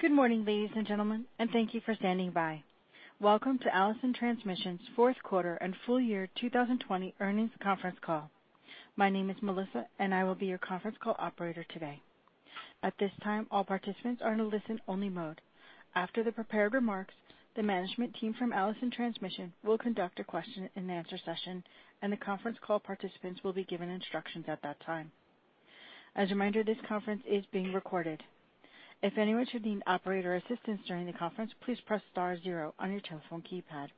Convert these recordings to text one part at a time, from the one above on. Good morning, ladies and gentlemen, and thank you for standing by. Welcome to Allison Transmission's fourth quarter and full year 2020 earnings conference call. My name is Melissa, and I will be your conference call operator today. At this time, all participants are in a listen-only mode. After the prepared remarks, the management team from Allison Transmission will conduct a question-and-answer session, and the conference call participants will be given instructions at that time. As a reminder, this conference is being recorded. If anyone should need operator assistance during the conference, please press star zero on your telephone keypad.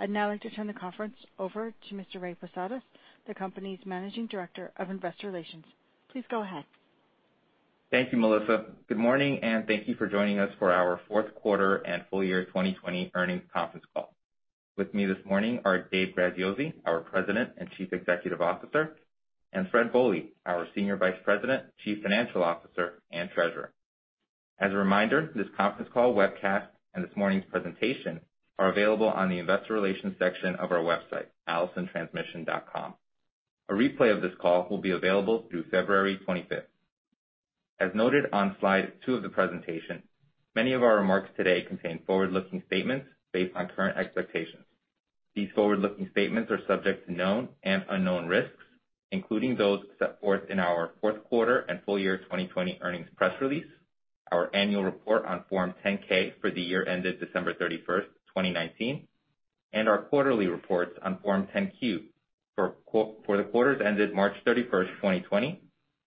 I'd now like to turn the conference over to Mr. Ray Posadas, the company's Managing Director of Investor Relations. Please go ahead. Thank you, Melissa. Good morning, and thank you for joining us for our fourth quarter and full year 2020 earnings conference call. With me this morning are Dave Graziosi, our President and Chief Executive Officer, and Fred Bohley, our Senior Vice President, Chief Financial Officer, and Treasurer. As a reminder, this conference call webcast and this morning's presentation are available on the investor relations section of our website, allisontransmission.com. A replay of this call will be available through February 25. As noted on slide two of the presentation, many of our remarks today contain forward-looking statements based on current expectations. These forward-looking statements are subject to known and unknown risks, including those set forth in our fourth quarter and full year 2020 earnings press release, our annual report on Form 10-K for the year ended December 31, 2019, and our quarterly reports on Form 10-Q for the quarters ended March 31, 2020,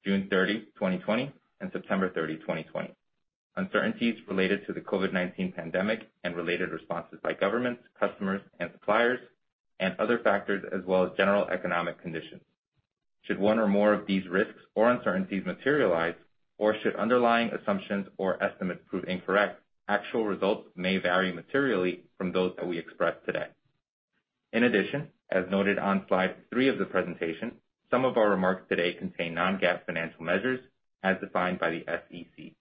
June 30, 2020, and September 30, 2020. Uncertainties related to the COVID-19 pandemic and related responses by governments, customers, and suppliers, and other factors, as well as general economic conditions. Should one or more of these risks or uncertainties materialize, or should underlying assumptions or estimates prove incorrect, actual results may vary materially from those that we express today. In addition, as noted on slide three of the presentation, some of our remarks today contain non-GAAP financial measures as defined by the SEC.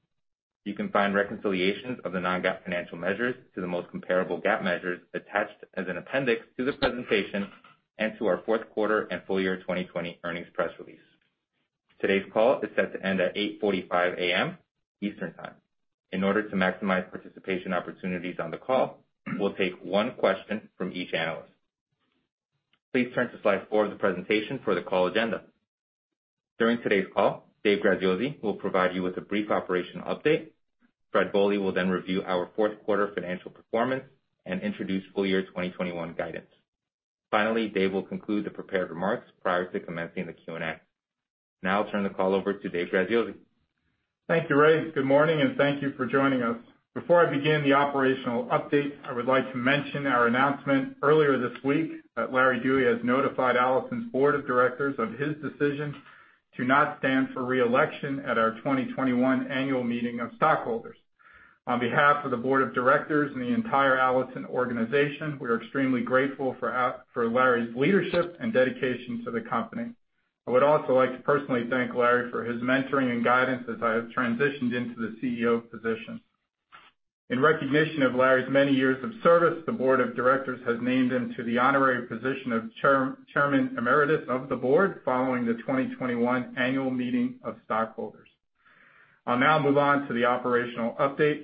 You can find reconciliations of the non-GAAP financial measures to the most comparable GAAP measures attached as an appendix to the presentation and to our fourth quarter and full year 2020 earnings press release. Today's call is set to end at 8:45 A.M. Eastern Time. In order to maximize participation opportunities on the call, we'll take one question from each analyst. Please turn to slide four of the presentation for the call agenda. During today's call, Dave Graziosi will provide you with a brief operational update. Fred Bohley will then review our fourth quarter financial performance and introduce full year 2021 guidance. Finally, Dave will conclude the prepared remarks prior to commencing the Q&A. Now I'll turn the call over to Dave Graziosi. Thank you, Ray. Good morning, and thank you for joining us. Before I begin the operational update, I would like to mention our announcement earlier this week that Larry Dewey has notified Allison's Board of Directors of his decision to not stand for re-election at our 2021 annual meeting of stockholders. On behalf of the Board of Directors and the entire Allison organization, we are extremely grateful for Larry's leadership and dedication to the company. I would also like to personally thank Larry for his mentoring and guidance as I have transitioned into the CEO position. In recognition of Larry's many years of service, the Board of Directors has named him to the honorary position of Chairman Emeritus of the Board following the 2021 annual meeting of stockholders. I'll now move on to the operational update.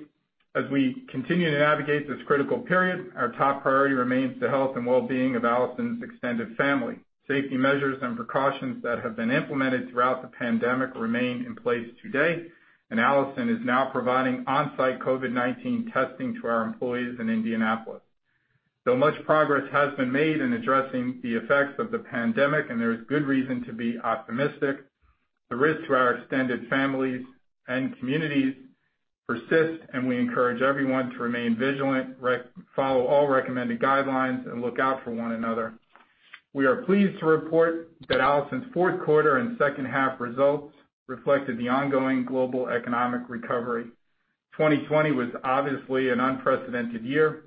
As we continue to navigate this critical period, our top priority remains the health and well-being of Allison's extended family. Safety measures and precautions that have been implemented throughout the pandemic remain in place today, and Allison is now providing on-site COVID-19 testing to our employees in Indianapolis. Though much progress has been made in addressing the effects of the pandemic, and there is good reason to be optimistic, the risk to our extended families and communities persist, and we encourage everyone to remain vigilant, follow all recommended guidelines, and look out for one another. We are pleased to report that Allison's fourth quarter and second half results reflected the ongoing global economic recovery. 2020 was obviously an unprecedented year.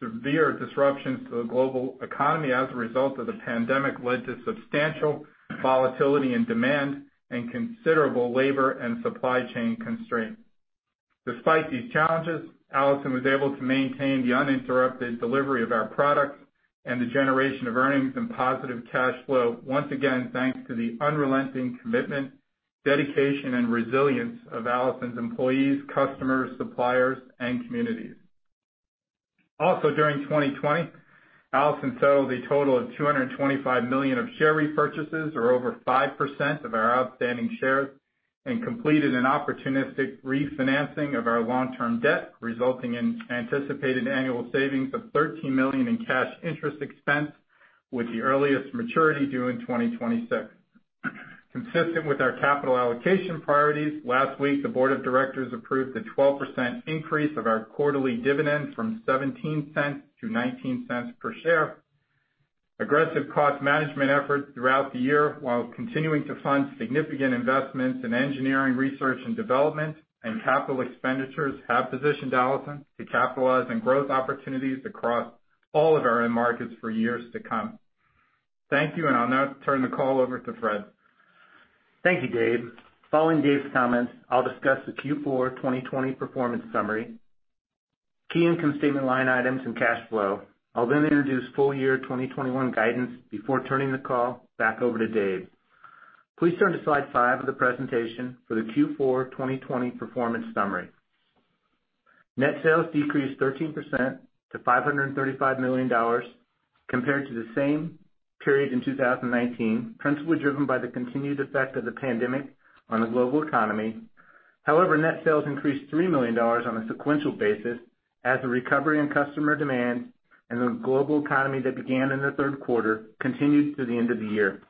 Severe disruptions to the global economy as a result of the pandemic led to substantial volatility in demand and considerable labor and supply chain constraints. Despite these challenges, Allison was able to maintain the uninterrupted delivery of our products and the generation of earnings and positive cash flow, once again, thanks to the unrelenting commitment, dedication, and resilience of Allison's employees, customers, suppliers, and communities. Also, during 2020, Allison settled a total of $225 million of share repurchases, or over 5% of our outstanding shares, and completed an opportunistic refinancing of our long-term debt, resulting in anticipated annual savings of $13 million in cash interest expense, with the earliest maturity due in 2026. Consistent with our capital allocation priorities, last week, the Board of Directors approved a 12% increase of our quarterly dividend from $0.17 to $0.19 per share. Aggressive cost management efforts throughout the year, while continuing to fund significant investments in engineering, research and development, and capital expenditures, have positioned Allison to capitalize on growth opportunities across all of our end markets for years to come. Thank you, and I'll now turn the call over to Fred. Thank you, Dave. Following Dave's comments, I'll discuss the Q4 2020 performance summary. Key income statement line items and cash flow. I'll then introduce full year 2021 guidance before turning the call back over to Dave. Please turn to slide five of the presentation for the Q4 2020 performance summary. Net sales decreased 13% to $535 million compared to the same period in 2019, principally driven by the continued effect of the pandemic on the global economy. However, net sales increased $3 million on a sequential basis as the recovery in customer demand and the global economy that began in the third quarter continued to the end of the year.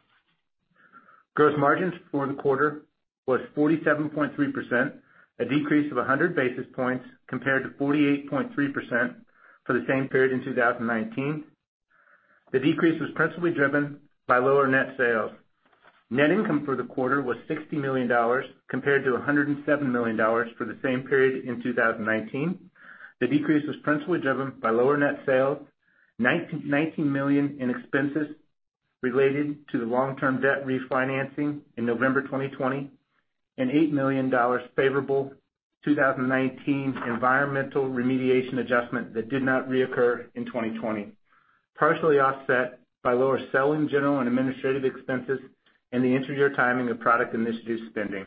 Gross margins for the quarter was 47.3%, a decrease of 100 basis points compared to 48.3% for the same period in 2019. The decrease was principally driven by lower net sales. Net income for the quarter was $60 million, compared to $107 million for the same period in 2019. The decrease was principally driven by lower net sales, $19 million in expenses related to the long-term debt refinancing in November 2020, and $8 million favorable 2019 environmental remediation adjustment that did not reoccur in 2020, partially offset by lower selling, general, and administrative expenses and the inter-year timing of product initiative spending.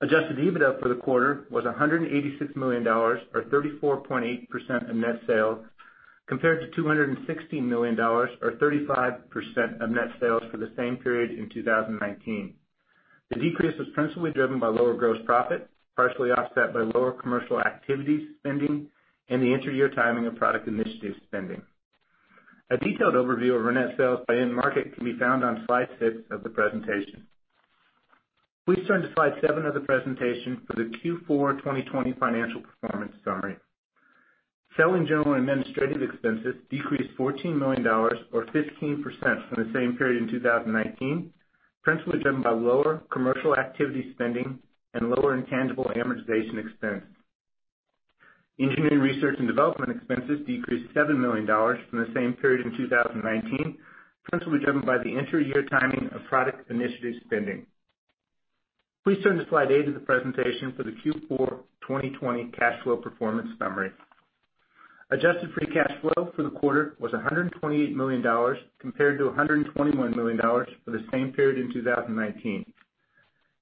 Adjusted EBITDA for the quarter was $186 million, or 34.8% of net sales, compared to $216 million, or 35% of net sales for the same period in 2019. The decrease was principally driven by lower gross profit, partially offset by lower commercial activity spending and the inter-year timing of product initiative spending. A detailed overview of our net sales by end market can be found on slide six of the presentation. Please turn to slide seven of the presentation for the Q4 2020 financial performance summary. Selling, general, and administrative expenses decreased $14 million or 15% from the same period in 2019, principally driven by lower commercial activity spending and lower intangible amortization expense. Engineering, research, and development expenses decreased $7 million from the same period in 2019, principally driven by the inter-year timing of product initiative spending. Please turn to slide eight of the presentation for the Q4 2020 cash flow performance summary. Adjusted free cash flow for the quarter was $128 million, compared to $121 million for the same period in 2019.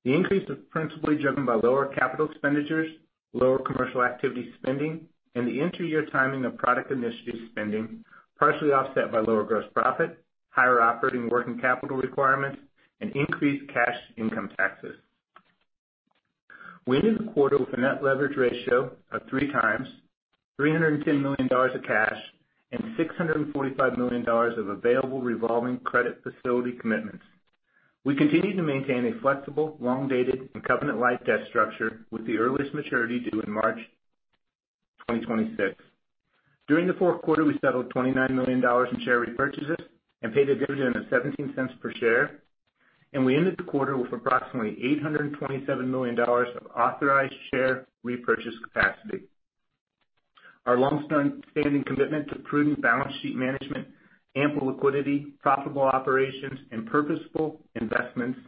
The increase was principally driven by lower capital expenditures, lower commercial activity spending, and the inter-year timing of product initiative spending, partially offset by lower gross profit, higher operating working capital requirements, and increased cash income taxes. We ended the quarter with a net leverage ratio of 3x, $310 million of cash, and $645 million of available revolving credit facility commitments. We continue to maintain a flexible, long-dated, and covenant-light debt structure, with the earliest maturity due in March 2026. During the fourth quarter, we settled $29 million in share repurchases and paid a dividend of $0.17 per share, and we ended the quarter with approximately $827 million of authorized share repurchase capacity. Our longstanding commitment to prudent balance sheet management, ample liquidity, profitable operations, and purposeful investments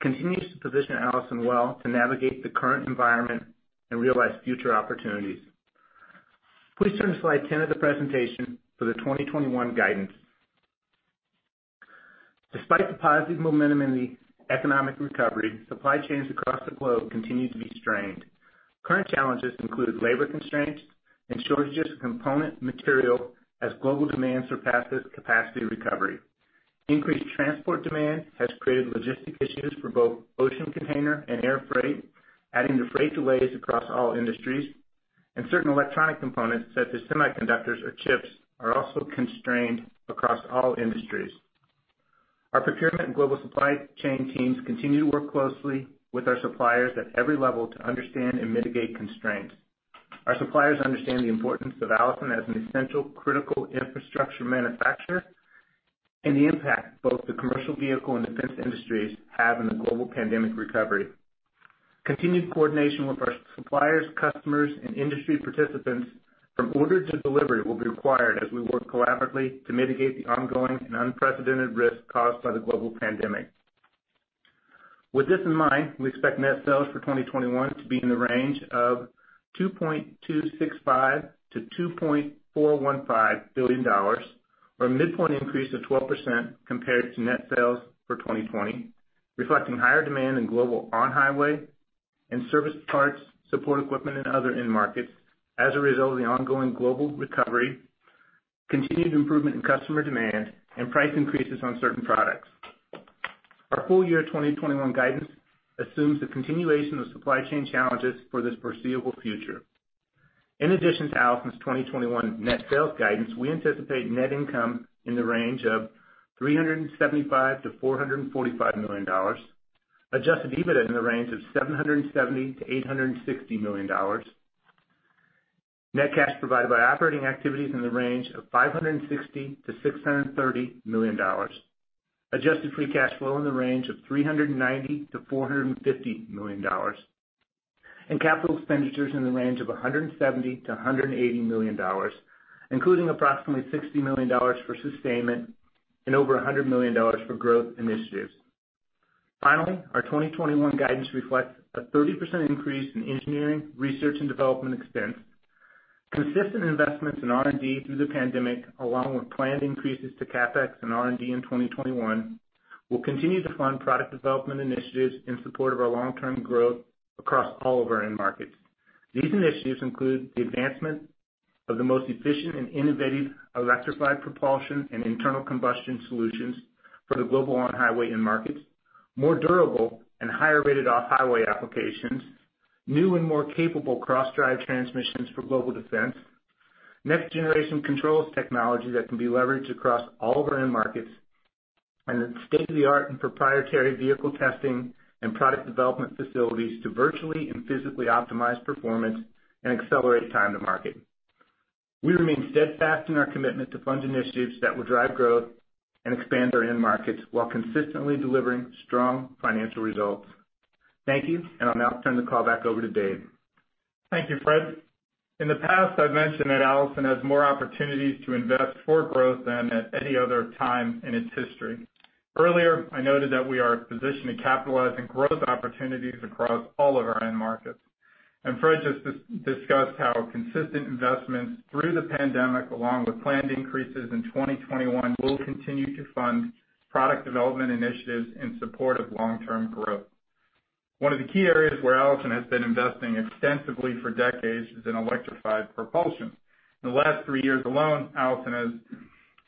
continues to position Allison well to navigate the current environment and realize future opportunities. Please turn to slide 10 of the presentation for the 2021 guidance. Despite the positive momentum in the economic recovery, supply chains across the globe continue to be strained. Current challenges include labor constraints and shortages of component material as global demand surpasses capacity recovery. Increased transport demand has created logistic issues for both ocean container and air freight, adding to freight delays across all industries, and certain electronic components, such as semiconductors or chips, are also constrained across all industries. Our procurement and global supply chain teams continue to work closely with our suppliers at every level to understand and mitigate constraints. Our suppliers understand the importance of Allison as an essential, critical infrastructure manufacturer and the impact both the commercial vehicle and defense industries have in the global pandemic recovery. Continued coordination with our suppliers, customers, and industry participants from order to delivery will be required as we work collaboratively to mitigate the ongoing and unprecedented risk caused by the global pandemic. With this in mind, we expect net sales for 2021 to be in the range of $2.265 billion-$2.415 billion, or a midpoint increase of 12% compared to net sales for 2020, reflecting higher demand in global on-highway and service parts, support equipment, and other end markets as a result of the ongoing global recovery, continued improvement in customer demand, and price increases on certain products. Our full year 2021 guidance assumes the continuation of supply chain challenges for the foreseeable future. In addition to Allison's 2021 net sales guidance, we anticipate net income in the range of $375 million-$445 million. Adjusted EBITDA in the range of $770 million-$860 million. Net cash provided by operating activities in the range of $560 million-$630 million. Adjusted Free Cash Flow in the range of $390 million-$450 million, and capital expenditures in the range of $170 million-$180 million, including approximately $60 million for sustainment and over $100 million for growth initiatives. Finally, our 2021 guidance reflects a 30% increase in engineering, research, and development expense. Consistent investments in R&D through the pandemic, along with planned increases to CapEx and R&D in 2021, will continue to fund product development initiatives in support of our long-term growth across all of our end markets. These initiatives include the advancement of the most efficient and innovative electrified propulsion and internal combustion solutions for the global on-highway end markets, more durable and higher-rated off-highway applications, new and more capable cross-drive transmissions for global defense, next-generation controls technology that can be leveraged across all of our end markets, and state-of-the-art and proprietary vehicle testing and product development facilities to virtually and physically optimize performance and accelerate time to market. We remain steadfast in our commitment to fund initiatives that will drive growth and expand our end markets while consistently delivering strong financial results. Thank you, and I'll now turn the call back over to Dave. Thank you, Fred. In the past, I've mentioned that Allison has more opportunities to invest for growth than at any other time in its history. Earlier, I noted that we are positioned to capitalize on growth opportunities across all of our end markets. And Fred just discussed how consistent investments through the pandemic, along with planned increases in 2021, will continue to fund product development initiatives in support of long-term growth. One of the key areas where Allison has been investing extensively for decades is in electrified propulsion. In the last three years alone, Allison has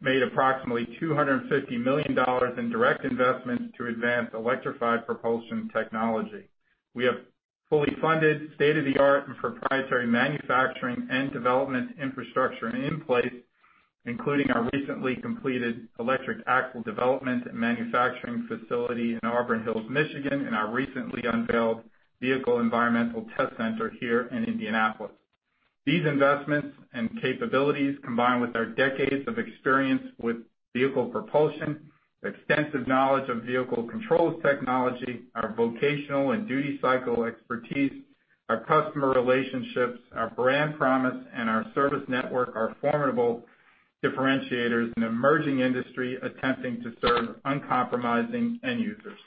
made approximately $250 million in direct investments to advance electrified propulsion technology. We have fully funded state-of-the-art and proprietary manufacturing and development infrastructure in place, including our recently completed electric axle development and manufacturing facility in Auburn Hills, Michigan, and our recently unveiled Vehicle Environmental Test Center here in Indianapolis. These investments and capabilities, combined with our decades of experience with vehicle propulsion, extensive knowledge of vehicle controls technology, our vocational and duty cycle expertise, our customer relationships, our brand promise, and our service network, are formidable differentiators in an emerging industry attempting to serve uncompromising end users.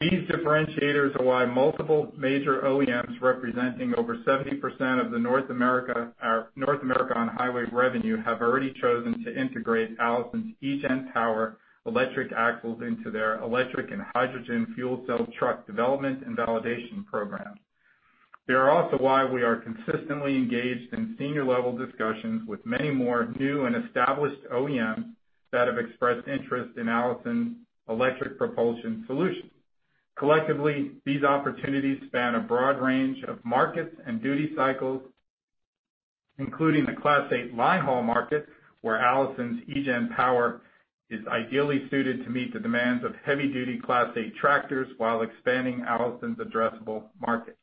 These differentiators are why multiple major OEMs, representing over 70% of the North America, North America on-highway revenue, have already chosen to integrate Allison's eGen Power electric axles into their electric and hydrogen fuel cell truck development and validation programs. They are also why we are consistently engaged in senior-level discussions with many more new and established OEMs that have expressed interest in Allison's electric propulsion solutions. Collectively, these opportunities span a broad range of markets and duty cycles, including the Class 8 linehaul market, where Allison's eGen Power is ideally suited to meet the demands of heavy-duty Class 8 tractors while expanding Allison's addressable market.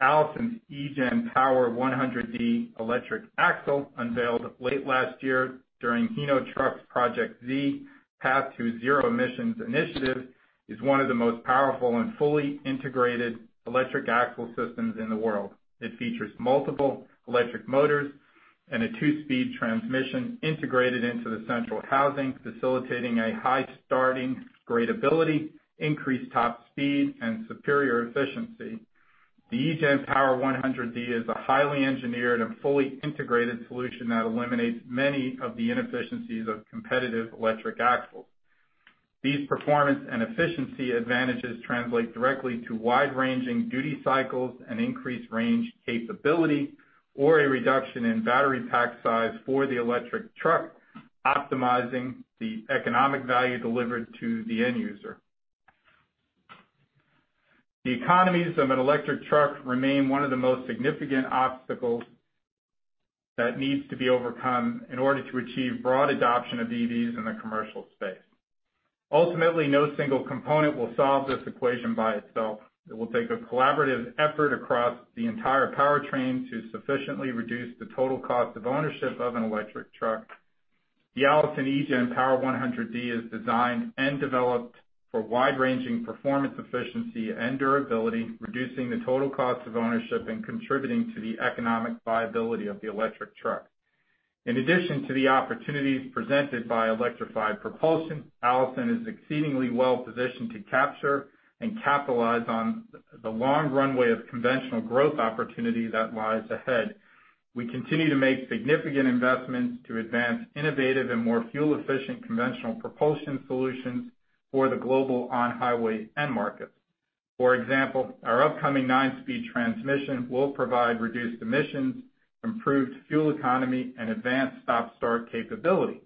Allison's eGen Power 100D electric axle, unveiled late last year during Hino Trucks' Project Z path to zero emissions initiative, is one of the most powerful and fully integrated electric axle systems in the world. It features multiple electric motors and a two-speed transmission integrated into the central housing, facilitating a high starting grade ability, increased top speed, and superior efficiency. The eGen Power 100D is a highly engineered and fully integrated solution that eliminates many of the inefficiencies of competitive electric axles. These performance and efficiency advantages translate directly to wide-ranging duty cycles and increased range capability, or a reduction in battery pack size for the electric truck, optimizing the economic value delivered to the end user. The economies of an electric truck remain one of the most significant obstacles that needs to be overcome in order to achieve broad adoption of EVs in the commercial space. Ultimately, no single component will solve this equation by itself. It will take a collaborative effort across the entire powertrain to sufficiently reduce the total cost of ownership of an electric truck. The Allison eGen Power 100D is designed and developed for wide-ranging performance, efficiency, and durability, reducing the total cost of ownership and contributing to the economic viability of the electric truck. In addition to the opportunities presented by electrified propulsion, Allison is exceedingly well positioned to capture and capitalize on the long runway of conventional growth opportunity that lies ahead. We continue to make significant investments to advance innovative and more fuel-efficient conventional propulsion solutions for the global on-highway end markets. For example, our upcoming nine-speed transmission will provide reduced emissions, improved fuel economy, and advanced stop-start capability.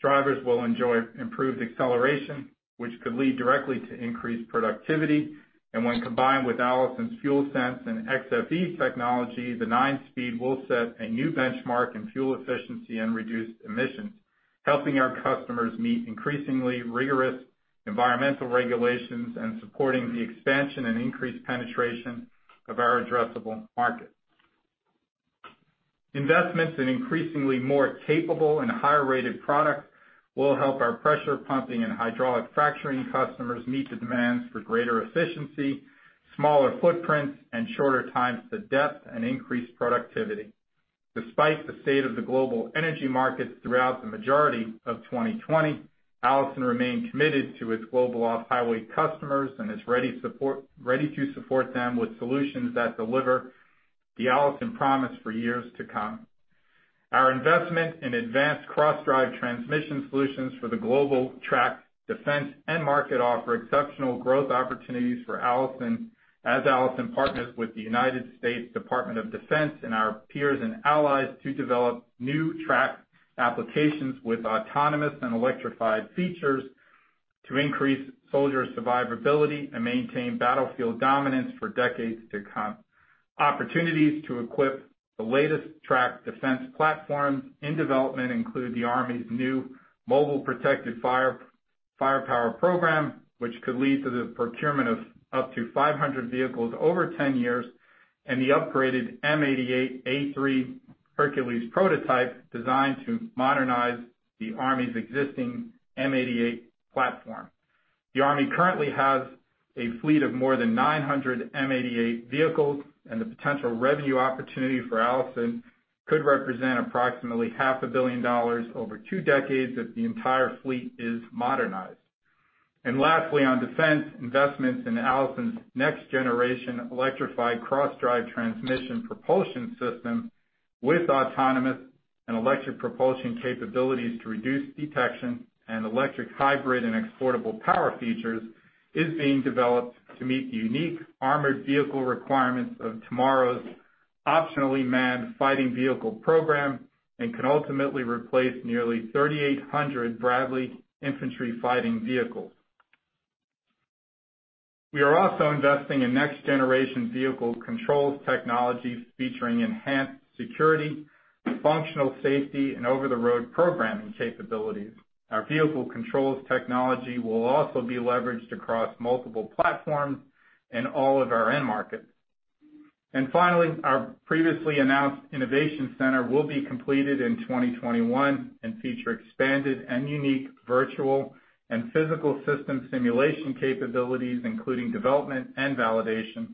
Drivers will enjoy improved acceleration, which could lead directly to increased productivity, and when combined with Allison's FuelSense and xFE technology, the nine-speed will set a new benchmark in fuel efficiency and reduced emissions, helping our customers meet increasingly rigorous environmental regulations and supporting the expansion and increased penetration of our addressable markets. Investments in increasingly more capable and higher-rated products will help our pressure pumping and hydraulic fracturing customers meet the demands for greater efficiency, smaller footprints, and shorter times to depth and increased productivity.... Despite the state of the global energy markets throughout the majority of 2020, Allison remained committed to its global off-highway customers and is ready to support them with solutions that deliver the Allison Promise for years to come. Our investment in advanced cross-drive transmission solutions for the global tracked defense market offers exceptional growth opportunities for Allison, as Allison partners with the United States Department of Defense and our peers and allies to develop new tracked applications with autonomous and electrified features to increase soldier survivability and maintain battlefield dominance for decades to come. Opportunities to equip the latest tracked defense platforms in development include the Army's new Mobile Protected Firepower program, which could lead to the procurement of up to 500 vehicles over 10 years, and the upgraded M88A3 Hercules prototype, designed to modernize the Army's existing M88 platform. The Army currently has a fleet of more than 900 M88 vehicles, and the potential revenue opportunity for Allison could represent approximately $500 million over two decades if the entire fleet is modernized. Lastly, on defense, investments in Allison's next-generation electrified cross-drive transmission propulsion system with autonomous and electric propulsion capabilities to reduce detection and electric, hybrid, and exportable power features, is being developed to meet the unique armored vehicle requirements of tomorrow's Optionally Manned Fighting Vehicle program and can ultimately replace nearly 3,800 Bradley Infantry Fighting Vehicles. We are also investing in next-generation vehicle controls technologies featuring enhanced security, functional safety, and over-the-road programming capabilities. Our vehicle controls technology will also be leveraged across multiple platforms in all of our end markets. Finally, our previously announced Innovation Center will be completed in 2021 and feature expanded and unique virtual and physical system simulation capabilities, including development and validation,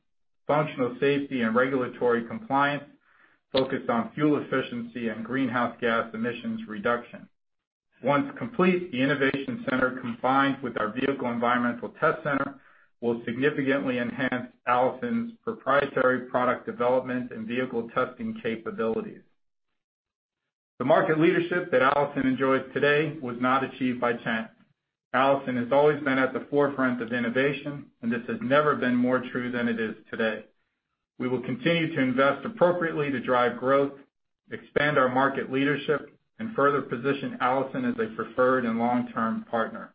functional safety and regulatory compliance, focused on fuel efficiency and greenhouse gas emissions reduction. Once complete, the Innovation Center, combined with our vehicle environmental test center, will significantly enhance Allison's proprietary product development and vehicle testing capabilities. The market leadership that Allison enjoys today was not achieved by chance. Allison has always been at the forefront of innovation, and this has never been more true than it is today. We will continue to invest appropriately to drive growth, expand our market leadership, and further position Allison as a preferred and long-term partner.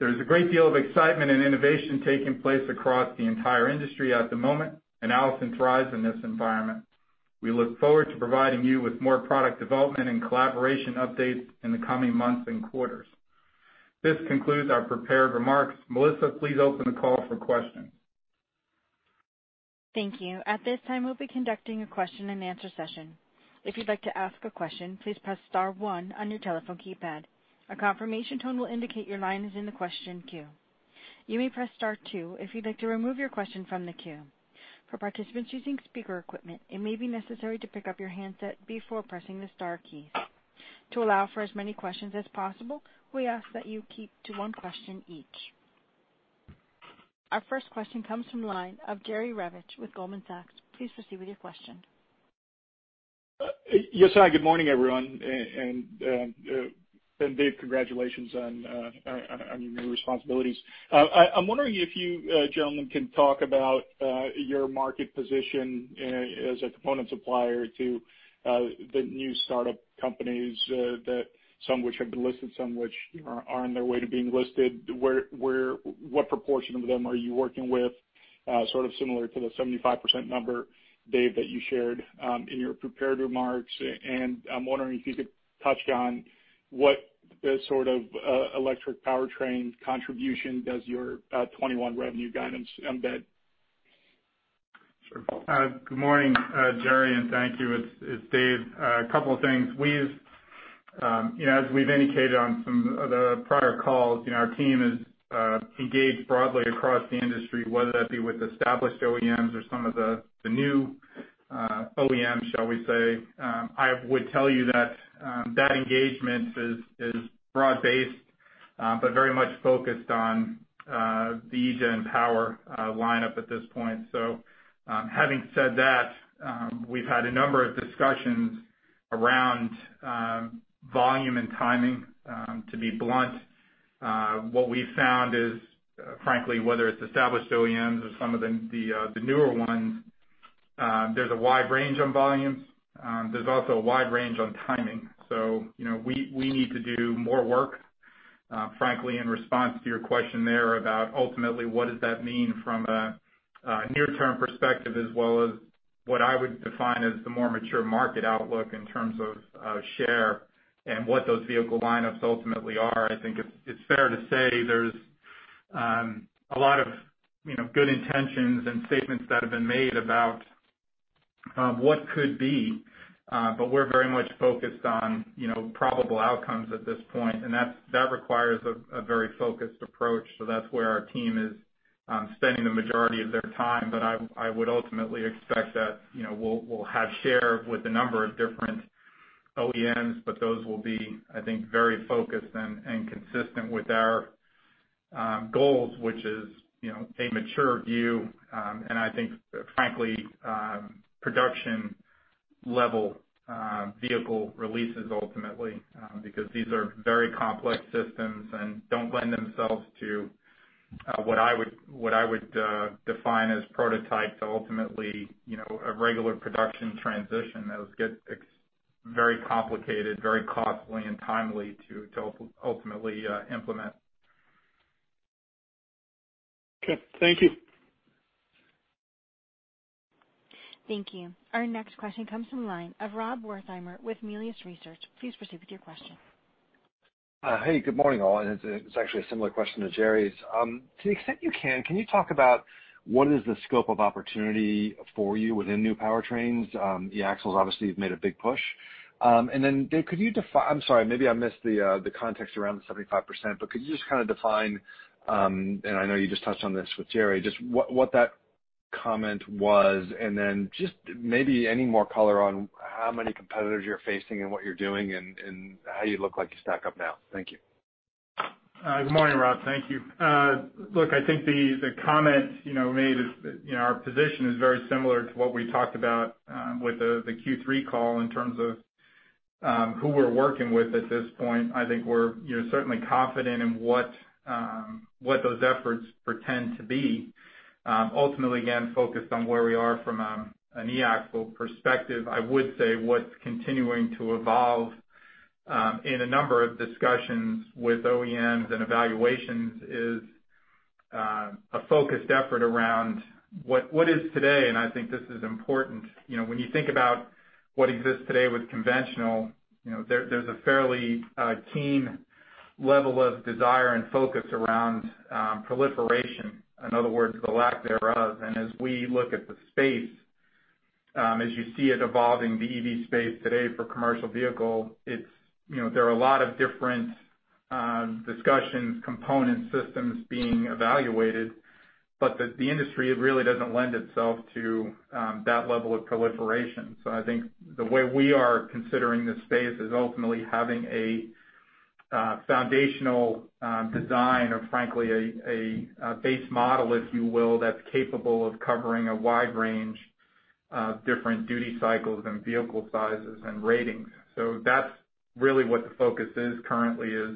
There's a great deal of excitement and innovation taking place across the entire industry at the moment, and Allison thrives in this environment. We look forward to providing you with more product development and collaboration updates in the coming months and quarters. This concludes our prepared remarks. Melissa, please open the call for questions. Thank you. At this time, we'll be conducting a question-and-answer session. If you'd like to ask a question, please press star one on your telephone keypad. A confirmation tone will indicate your line is in the question queue. You may press star two if you'd like to remove your question from the queue. For participants using speaker equipment, it may be necessary to pick up your handset before pressing the star keys. To allow for as many questions as possible, we ask that you keep to one question each. Our first question comes from the line of Jerry Revich with Goldman Sachs. Please proceed with your question. Yes, hi, good morning, everyone. And Dave, congratulations on your new responsibilities. I'm wondering if you gentlemen can talk about your market position as a component supplier to the new startup companies that some of which have been listed, some which are on their way to being listed. Where, what proportion of them are you working with? Sort of similar to the 75% number, Dave, that you shared in your prepared remarks. And I'm wondering if you could touch on what the sort of electric powertrain contribution does your 21 revenue guidance embed? Sure. Good morning, Jerry, and thank you. It's, it's Dave. A couple of things. We've, you know, as we've indicated on some of the prior calls, you know, our team is, engaged broadly across the industry, whether that be with established OEMs or some of the, the new, OEMs, shall we say. I would tell you that, that engagement is, is broad-based, but very much focused on, the eGen Power lineup at this point. So, having said that, we've had a number of discussions around, volume and timing. To be blunt, what we've found is, frankly, whether it's established OEMs or some of the, the, the newer ones, there's a wide range on volumes. There's also a wide range on timing. So, you know, we need to do more work, frankly, in response to your question there about ultimately, what does that mean from a near-term perspective, as well as what I would define as the more mature market outlook in terms of share and what those vehicle lineups ultimately are. I think it's fair to say there's a lot of, you know, good intentions and statements that have been made about what could be, but we're very much focused on, you know, probable outcomes at this point, and that requires a very focused approach. So that's where our team is-... Spending the majority of their time, but I would ultimately expect that, you know, we'll have share with a number of different OEMs, but those will be, I think, very focused and consistent with our goals, which is, you know, a mature view. And I think, frankly, production level vehicle releases ultimately, because these are very complex systems and don't lend themselves to what I would define as prototypes to ultimately, you know, a regular production transition. Those get very complicated, very costly and timely to ultimately implement. Okay, thank you. Thank you. Our next question comes from the line of Rob Wertheimer with Melius Research. Please proceed with your question. Hey, good morning, all. It's actually a similar question to Jerry's. To the extent you can, can you talk about what is the scope of opportunity for you within new powertrains? E-axles obviously have made a big push. And then Dave, could you define... I'm sorry, maybe I missed the context around the 75%, but could you just kind of define, and I know you just touched on this with Jerry, just what that comment was, and then just maybe any more color on how many competitors you're facing and what you're doing and how you look like you stack up now? Thank you. Good morning, Rob. Thank you. Look, I think the comment, you know, made is, you know, our position is very similar to what we talked about with the Q3 call in terms of who we're working with at this point. I think we're, you know, certainly confident in what those efforts pretend to be. Ultimately, again, focused on where we are from an e-axle perspective. I would say what's continuing to evolve in a number of discussions with OEMs and evaluations is a focused effort around what is today, and I think this is important, you know, when you think about what exists today with conventional, you know, there's a fairly keen level of desire and focus around proliferation, in other words, the lack thereof. And as we look at the space, as you see it evolving the EV space today for commercial vehicle, it's, you know, there are a lot of different discussions, components, systems being evaluated, but the industry, it really doesn't lend itself to that level of proliferation. So I think the way we are considering this space is ultimately having a foundational design or frankly, a base model, if you will, that's capable of covering a wide range of different duty cycles and vehicle sizes and ratings. So that's really what the focus is currently is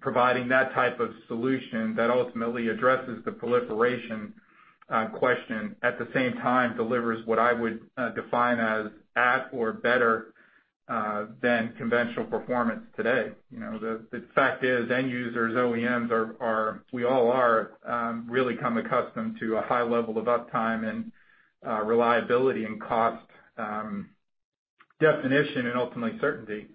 providing that type of solution that ultimately addresses the proliferation question, at the same time, delivers what I would define as at or better than conventional performance today. You know, the fact is, end users, OEMs are, we all are, really come accustomed to a high level of uptime and reliability and cost definition, and ultimately certainty.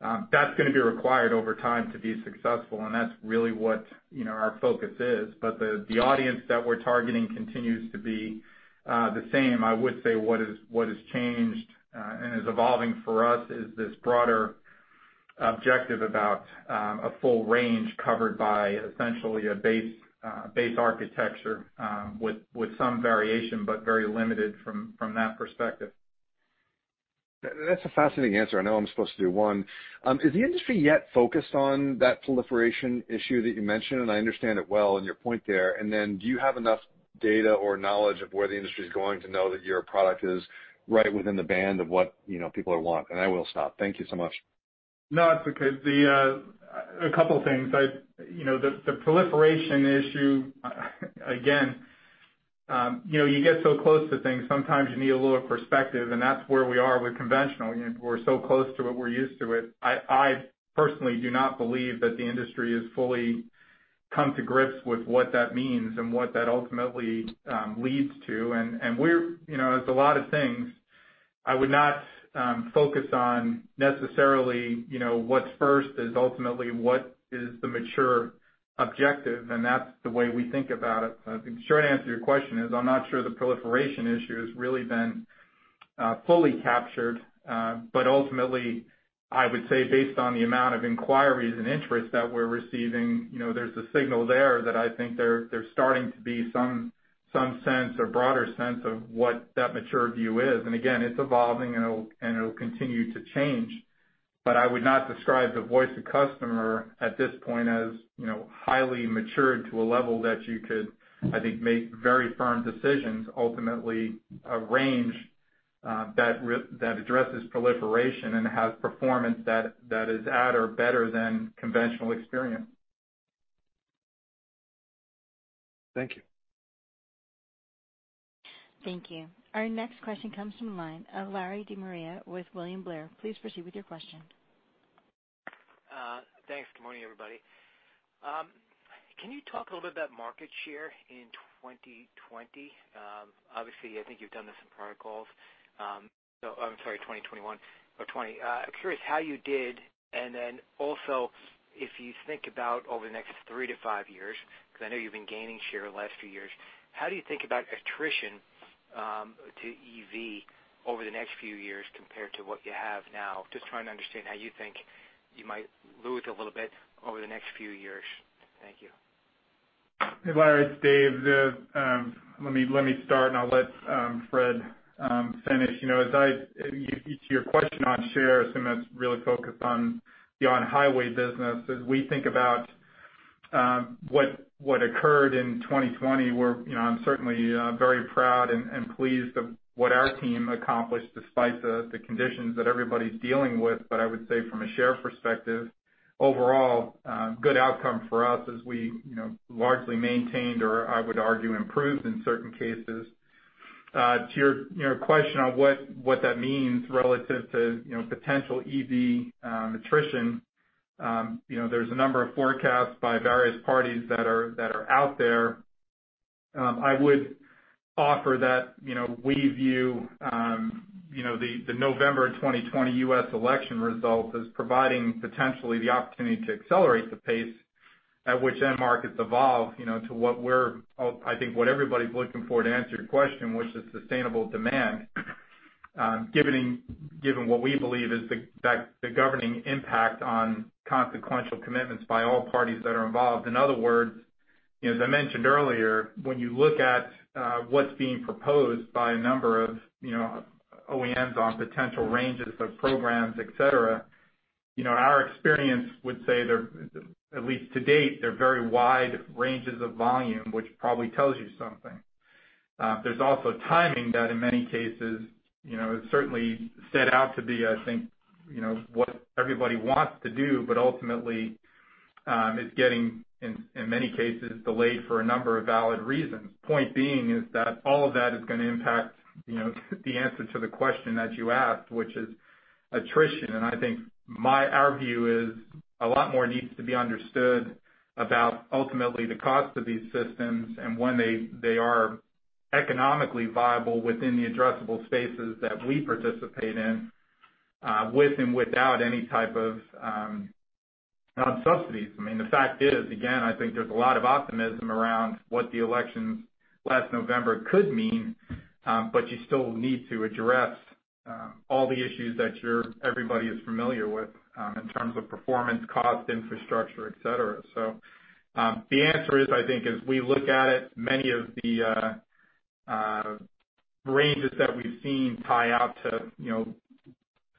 That's gonna be required over time to be successful, and that's really what, you know, our focus is. But the audience that we're targeting continues to be the same. I would say what has changed and is evolving for us is this broader objective about a full range covered by essentially a base architecture with some variation, but very limited from that perspective. That's a fascinating answer. I know I'm supposed to do one. Is the industry yet focused on that proliferation issue that you mentioned? And I understand it well and your point there. And then do you have enough data or knowledge of where the industry is going to know that your product is right within the band of what, you know, people want? And I will stop. Thank you so much. No, that's okay. A couple things. You know, the proliferation issue, again, you know, you get so close to things, sometimes you need a little perspective, and that's where we are with conventional. You know, we're so close to it, we're used to it. I personally do not believe that the industry has fully come to grips with what that means and what that ultimately leads to. And we're, you know, it's a lot of things. I would not focus on necessarily, you know, what's first is ultimately what is the mature objective, and that's the way we think about it. I think the short answer to your question is, I'm not sure the proliferation issue has really been fully captured, but ultimately, I would say based on the amount of inquiries and interest that we're receiving, you know, there's a signal there that I think there's starting to be some sense or broader sense of what that mature view is. And again, it's evolving, and it'll continue to change, but I would not describe the voice of customer at this point as, you know, highly matured to a level that you could, I think, make very firm decisions, ultimately a range that addresses proliferation and has performance that is at or better than conventional experience. Thank you. Thank you. Our next question comes from the line of Larry DeMaria with William Blair. Please proceed with your question. Thanks. Good morning, everybody. Can you talk a little bit about market share in 2020? Obviously, I think you've done this in prior calls. Oh, I'm sorry, 2021 or 2020. I'm curious how you did, and then also, if you think about over the next three to five years, because I know you've been gaining share the last few years, how do you think about attrition to EV over the next few years compared to what you have now? Just trying to understand how you think you might lose a little bit over the next few years. Thank you. Hey, Larry, it's Dave. Let me start, and I'll let Fred finish. You know, as to your question on shares, assuming that's really focused on the on-highway business, as we think about what occurred in 2020, we're, you know, I'm certainly very proud and pleased of what our team accomplished despite the conditions that everybody's dealing with. But I would say from a share perspective, overall, good outcome for us as we, you know, largely maintained, or I would argue, improved in certain cases. To your question on what that means relative to potential EV attrition, you know, there's a number of forecasts by various parties that are out there. I would offer that, you know, we view, you know, the November 2020 U.S. election results as providing potentially the opportunity to accelerate the pace at which end markets evolve, you know, to what we're, I think, what everybody's looking for, to answer your question, which is sustainable demand, given what we believe is the governing impact on consequential commitments by all parties that are involved. In other words, you know, as I mentioned earlier, when you look at, what's being proposed by a number of, you know, OEMs on potential ranges of programs, et cetera, you know, our experience would say they're, at least to date, they're very wide ranges of volume, which probably tells you something. There's also timing that in many cases, you know, is certainly set out to be, I think, you know, what everybody wants to do, but ultimately is getting, in many cases, delayed for a number of valid reasons. Point being is that all of that is gonna impact, you know, the answer to the question that you asked, which is attrition. And I think my, our view is a lot more needs to be understood about ultimately the cost of these systems and when they are economically viable within the addressable spaces that we participate in, with and without any type of non-subsidies. I mean, the fact is, again, I think there's a lot of optimism around what the elections last November could mean, but you still need to address all the issues that everybody is familiar with, in terms of performance, cost, infrastructure, et cetera. So, the answer is, I think, as we look at it, many of the ranges that we've seen tie out to, you know,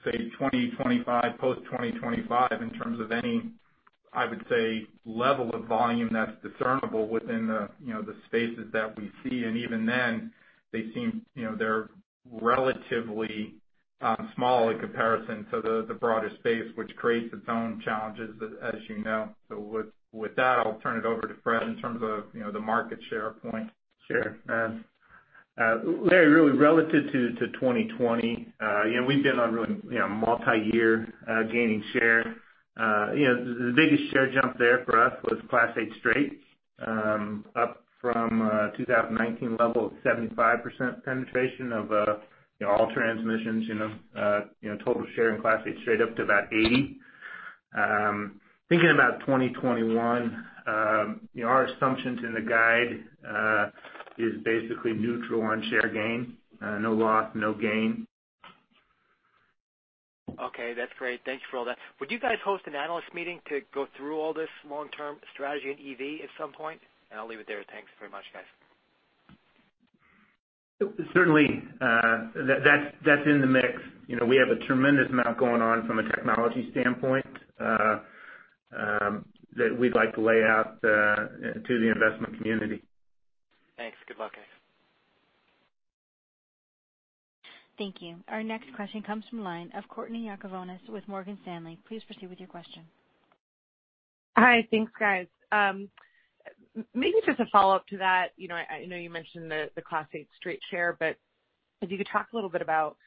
say, 2025, post-2025, in terms of any, I would say, level of volume that's discernible within the, you know, the spaces that we see. And even then, they seem, you know, they're relatively small in comparison to the broader space, which creates its own challenges, as you know. So with that, I'll turn it over to Fred in terms of, you know, the market share point. Sure, Larry, really relative to 2020, you know, we've been on really, you know, multiyear gaining share. You know, the biggest share jump there for us was Class 8 Straight up from 2019 level of 75% penetration of, you know, all transmissions, you know, total share in Class 8 Straight up to about 80%. Thinking about 2021, you know, our assumptions in the guide is basically neutral on share gain, no loss, no gain. Okay, that's great. Thanks for all that. Would you guys host an analyst meeting to go through all this long-term strategy on EV at some point? And I'll leave it there. Thanks very much, guys. Certainly, that's in the mix. You know, we have a tremendous amount going on from a technology standpoint, that we'd like to lay out to the investment community. Thanks. Good luck, guys. Thank you. Our next question comes from line of Courtney Yakavonis with Morgan Stanley. Please proceed with your question. Hi. Thanks, guys. Maybe just a follow-up to that. You know, I know you mentioned the Class 8 Straight share, but if you could talk a little bit about,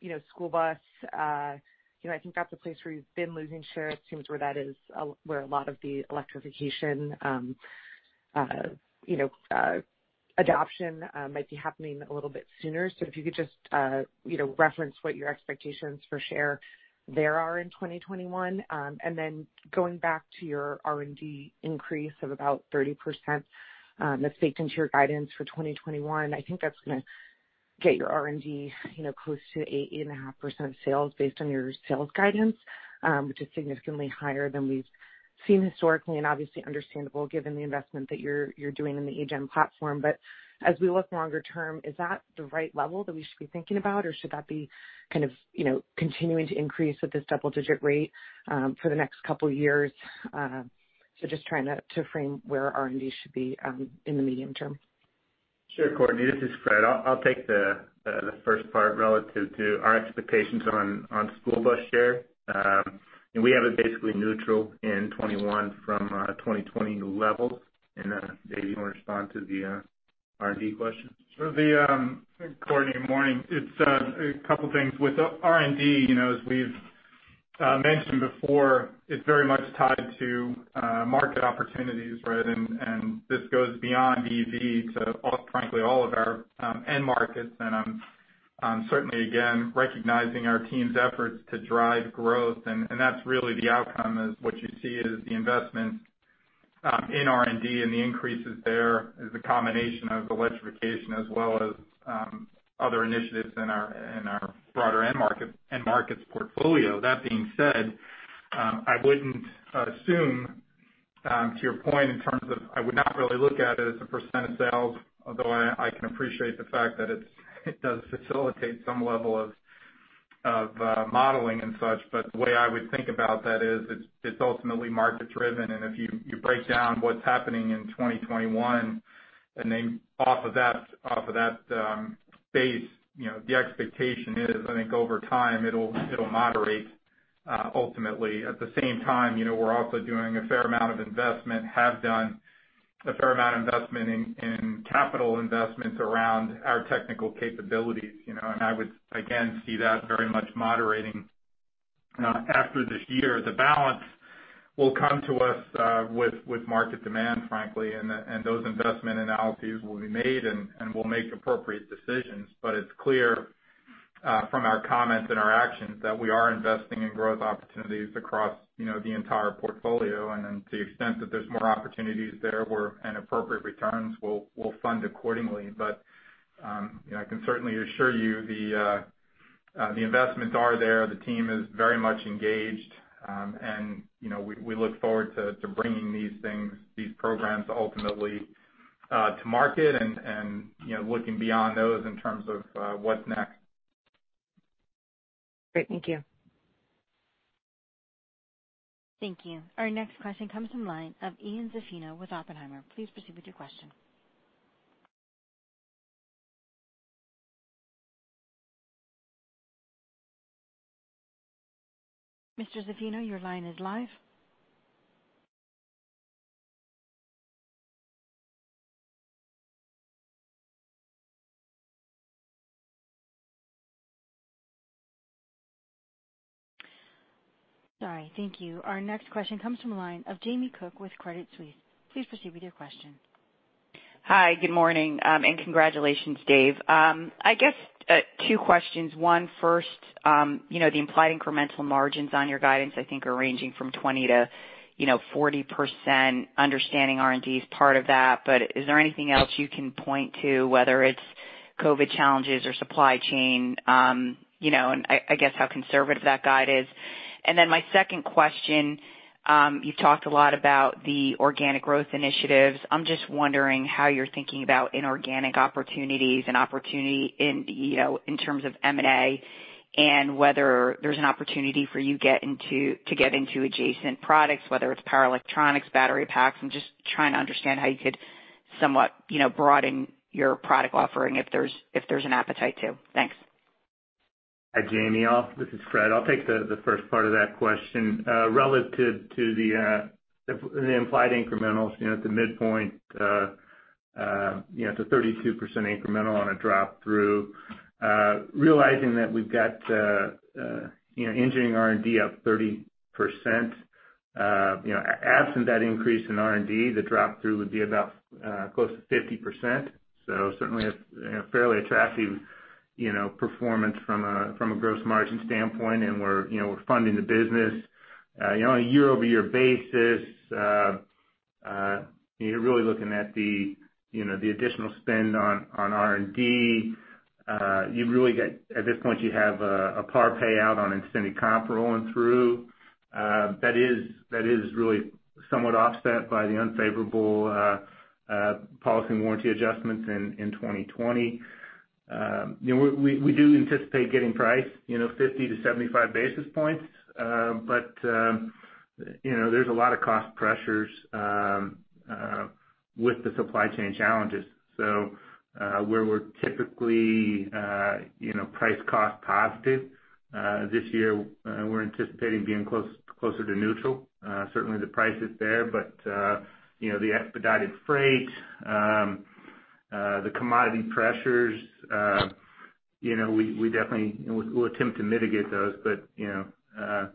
you know, school bus. You know, I think that's a place where you've been losing share. It seems where that is where a lot of the electrification, you know, adoption might be happening a little bit sooner. So if you could just, you know, reference what your expectations for share there are in 2021. And then going back to your R&D increase of about 30%, that's baked into your guidance for 2021. I think that's gonna get your R&D, you know, close to 8%-8.5% of sales based on your sales guidance, which is significantly higher than we've seen historically and obviously understandable given the investment that you're, you're doing in the eGen platform. But as we look longer term, is that the right level that we should be thinking about, or should that be kind of, you know, continuing to increase at this double-digit rate, for the next couple of years? So just trying to, to frame where R&D should be, in the medium term. Sure, Courtney. This is Fred. I'll take the first part relative to our expectations on school bus share. And we have it basically neutral in 2021 from 2020 levels. And then, Dave, you want to respond to the R&D question? Sure. Courtney, morning. It's a couple things. With the R&D, you know, as we've mentioned before, it's very much tied to market opportunities, right? And this goes beyond EV to frankly, all of our end markets. And certainly, again, recognizing our team's efforts to drive growth, and that's really the outcome, is what you see is the investment in R&D, and the increases there is a combination of electrification as well as other initiatives in our broader end markets portfolio. That being said, I wouldn't assume, to your point, in terms of, I would not really look at it as a % of sales, although I can appreciate the fact that it's, it does facilitate some level of modeling and such. But the way I would think about that is, it's ultimately market driven, and if you break down what's happening in 2021, and then off of that base, you know, the expectation is, I think over time, it'll moderate ultimately. At the same time, you know, we're also doing a fair amount of investment, have done a fair amount of investment in capital investments around our technical capabilities, you know, and I would, again, see that very much moderating after this year. The balance will come to us with market demand, frankly, and those investment analyses will be made, and we'll make appropriate decisions. But it's clear from our comments and our actions, that we are investing in growth opportunities across, you know, the entire portfolio. And then to the extent that there's more opportunities there where and appropriate returns, we'll fund accordingly. But you know, I can certainly assure you the investments are there. The team is very much engaged. And you know, we look forward to bringing these things, these programs ultimately to market and you know, looking beyond those in terms of what's next. Great. Thank you. Thank you. Our next question comes from the line of Ian Zaffino with Oppenheimer. Please proceed with your question. Mr. Zaffino, your line is live. Sorry, thank you. Our next question comes from the line of Jamie Cook with Credit Suisse. Please proceed with your question. Hi, good morning, and congratulations, Dave. I guess, two questions. One, first, you know, the implied incremental margins on your guidance, I think, are ranging from 20%-40%. Understanding R&D is part of that, but is there anything else you can point to, whether it's COVID challenges or supply chain? You know, and I guess how conservative that guide is. And then my second question, you've talked a lot about the organic growth initiatives. I'm just wondering how you're thinking about inorganic opportunities and opportunity in, you know, in terms of M&A, and whether there's an opportunity for you to get into adjacent products, whether it's power electronics, battery packs. I'm just trying to understand how you could somewhat, you know, broaden your product offering if there's an appetite to. Thanks. Hi, Jamie, this is Fred. I'll take the first part of that question. Relative to the implied incrementals, you know, at the midpoint, you know, it's a 32% incremental on a drop through. Realizing that we've got, you know, engineering R&D up 30%, you know, absent that increase in R&D, the drop through would be about close to 50%. So certainly a fairly attractive, you know, performance from a gross margin standpoint, and we're, you know, we're funding the business. On a year-over-year basis, you're really looking at the, you know, the additional spend on R&D. You've really got-- at this point, you have a par payout on extended comp rolling through. That is really somewhat offset by the unfavorable policy and warranty adjustments in 2020. You know, we do anticipate getting price, you know, 50-75 basis points. But, you know, there's a lot of cost pressures with the supply chain challenges. So, where we're typically, you know, price-cost positive, this year, we're anticipating being closer to neutral. Certainly the price is there, but, you know, the expedited freight, the commodity pressures, you know, we definitely will attempt to mitigate those. But, you know,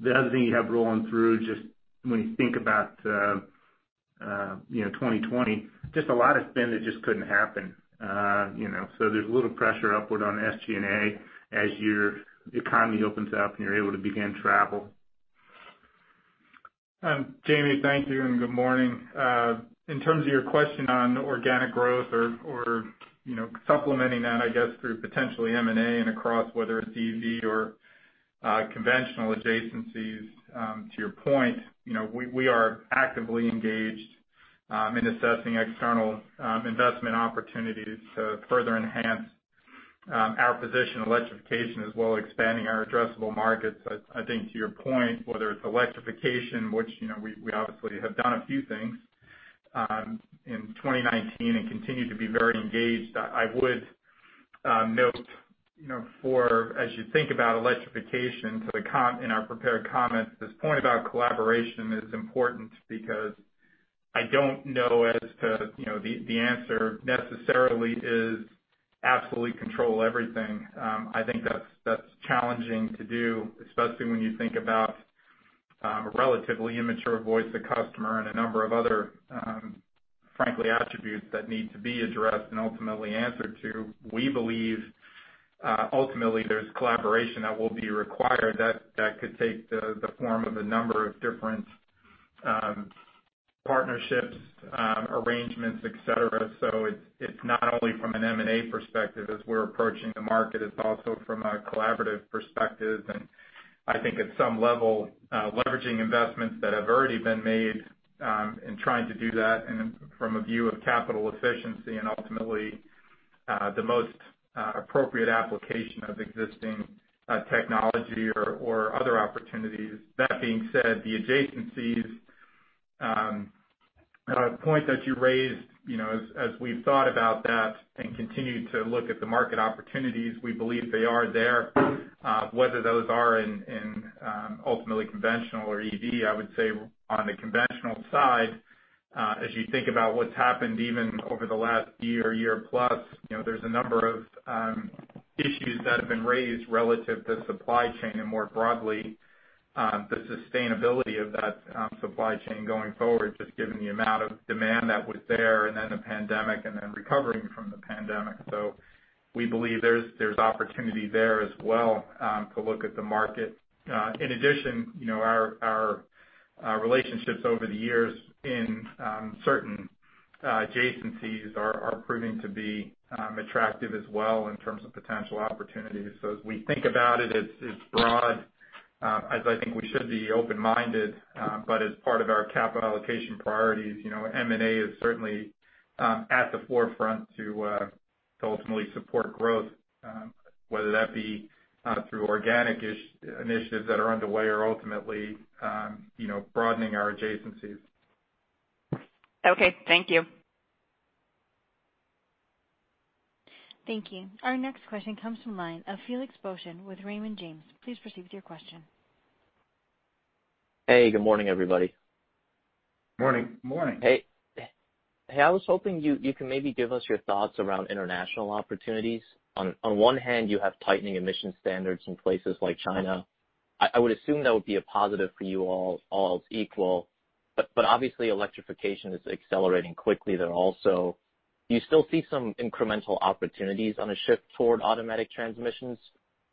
the other thing you have rolling through, just when you think about, you know, 2020, just a lot of spend that just couldn't happen. You know, so there's a little pressure upward on SG&A as your economy opens up, and you're able to begin travel. Jamie, thank you, and good morning. In terms of your question on organic growth or, you know, supplementing that, I guess, through potentially M&A and across, whether it's EV or conventional adjacencies, to your point, you know, we are actively engaged in assessing external investment opportunities to further enhance our position in electrification, as well as expanding our addressable markets. I think to your point, whether it's electrification, which, you know, we obviously have done a few things in 2019 and continue to be very engaged. I would note, you know, for as you think about electrification, to the comments in our prepared comments, this point about collaboration is important because I don't know as to, you know, the answer necessarily is absolutely control everything. I think that's challenging to do, especially when you think about a relatively immature voice of customer and a number of other frankly attributes that need to be addressed and ultimately answered to. We believe ultimately there's collaboration that will be required, that could take the form of a number of different partnerships, arrangements, et cetera. So it's not only from an M&A perspective as we're approaching the market, it's also from a collaborative perspective. I think at some level, leveraging investments that have already been made, in trying to do that and from a view of capital efficiency and ultimately, the most, appropriate application of existing, technology or, or other opportunities. That being said, the adjacencies point that you raised, you know, as, as we've thought about that and continued to look at the market opportunities, we believe they are there. Whether those are in ultimately conventional or EV, I would say on the conventional side, as you think about what's happened even over the last year, year plus, you know, there's a number of issues that have been raised relative to supply chain and more broadly the sustainability of that supply chain going forward, just given the amount of demand that was there and then the pandemic and then recovering from the pandemic. So we believe there's opportunity there as well to look at the market. In addition, you know, our relationships over the years in certain adjacencies are proving to be attractive as well in terms of potential opportunities. So as we think about it, it's broad, as I think we should be open-minded, but as part of our capital allocation priorities, you know, M&A is certainly at the forefront to ultimately support growth, whether that be through organic initiatives that are underway or ultimately, you know, broadening our adjacencies. Okay. Thank you. Thank you. Our next question comes from line of Felix Boeschen with Raymond James. Please proceed with your question. Hey, good morning, everybody. Morning. Morning. Hey, I was hoping you can maybe give us your thoughts around international opportunities. On one hand, you have tightening emission standards in places like China. I would assume that would be a positive for you all, all else equal, but obviously, electrification is accelerating quickly there also. Do you still see some incremental opportunities on a shift toward automatic transmissions,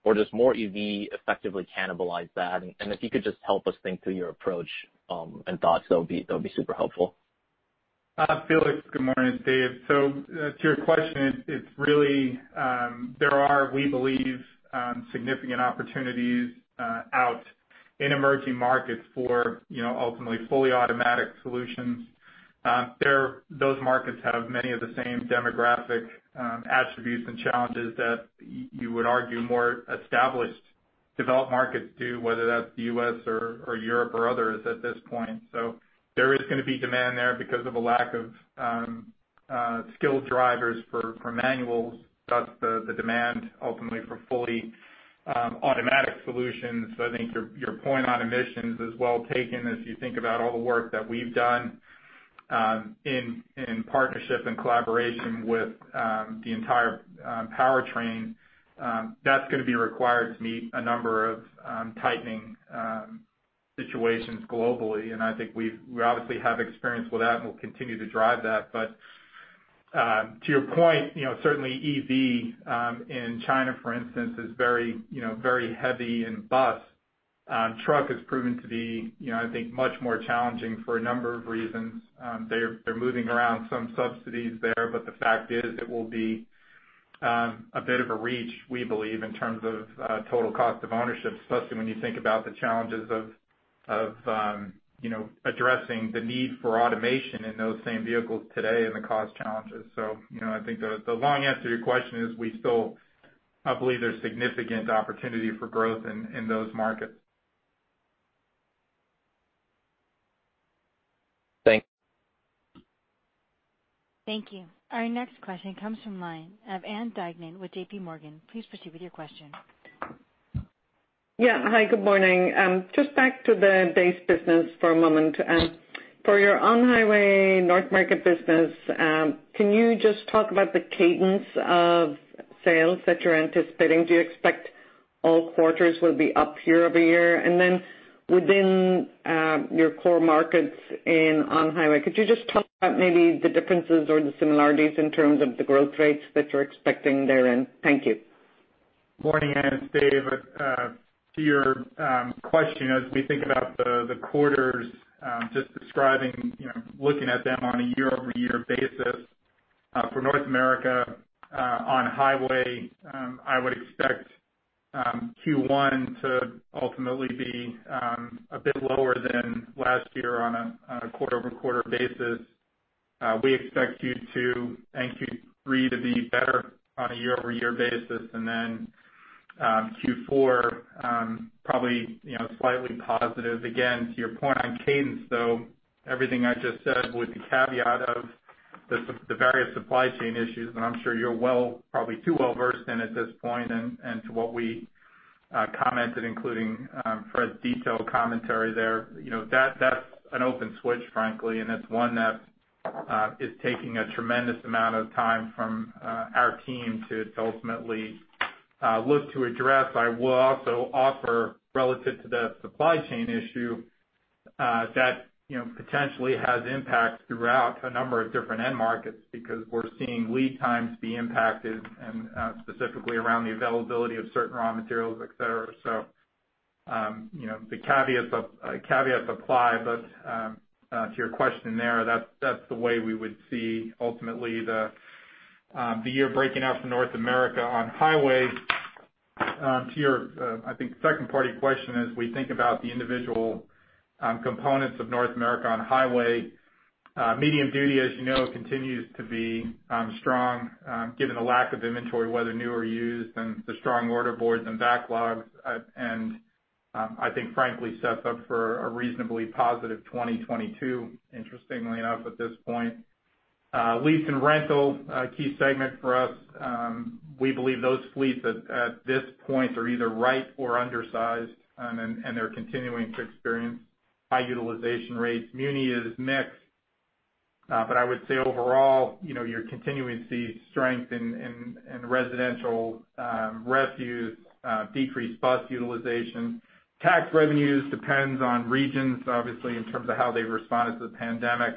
or does more EV effectively cannibalize that? And if you could just help us think through your approach, and thoughts, that would be super helpful. Felix, good morning. It's Dave. So, to your question, it's really there are, we believe, significant opportunities out in emerging markets for, you know, ultimately fully automatic solutions. Those markets have many of the same demographic attributes and challenges that you would argue more established developed markets do, whether that's the U.S. or Europe or others at this point. So there is gonna be demand there because of a lack of skilled drivers for manuals, thus the demand ultimately for fully automatic solutions. So I think your point on emissions is well taken as you think about all the work that we've done in partnership and collaboration with the entire powertrain. That's gonna be required to meet a number of tightening situations globally. And I think we obviously have experience with that and we'll continue to drive that. But, to your point, you know, certainly EV, in China, for instance, is very, you know, very heavy in bus. Truck has proven to be, you know, I think, much more challenging for a number of reasons. They're moving around some subsidies there, but the fact is it will be, a bit of a reach, we believe, in terms of, total cost of ownership, especially when you think about the challenges of, of, you know, addressing the need for automation in those same vehicles today and the cost challenges. So, you know, I think the long answer to your question is, we still, I believe, there's significant opportunity for growth in those markets. Thanks. Thank you. Our next question comes from the line of Ann Duignan with JPMorgan. Please proceed with your question. Yeah. Hi, good morning. Just back to the base business for a moment. For your on-highway North America business, can you just talk about the cadence of sales that you're anticipating? Do you expect all quarters will be up year-over-year? And then within your core markets in on-highway, could you just talk about maybe the differences or the similarities in terms of the growth rates that you're expecting therein? Thank you. Morning, Ann. It's Dave. To your question, as we think about the quarters, just describing, you know, looking at them on a year-over-year basis, for North America, on-highway, I would expect Q1 to ultimately be a bit lower than last year on a quarter-over-quarter basis. We expect Q2 and Q3 to be better on a year-over-year basis, and then Q4 probably, you know, slightly positive. Again, to your point on cadence, though, everything I just said with the caveat of the various supply chain issues, and I'm sure you're well, probably too well versed in at this point, and to what we commented, including Fred's detailed commentary there. You know, that's an open switch, frankly, and it's one that is taking a tremendous amount of time from our team to ultimately look to address. I will also offer relative to the supply chain issue that, you know, potentially has impact throughout a number of different end markets because we're seeing lead times be impacted and specifically around the availability of certain raw materials, et cetera. So, you know, the caveats apply, but to your question there, that's the way we would see ultimately the year breaking out for North America on-highway. To your, I think second part of your question is, we think about the individual components of North America on-highway. Medium duty, as you know, continues to be strong, given the lack of inventory, whether new or used, and the strong order boards and backlogs. I think frankly, sets up for a reasonably positive 2022, interestingly enough, at this point. Lease and rental, a key segment for us, we believe those fleets at this point are either right or undersized, and they're continuing to experience high utilization rates. Muni is mixed, but I would say overall, you know, you're continuing to see strength in residential refuse, decreased bus utilization. Tax revenues depends on regions, obviously, in terms of how they've responded to the pandemic.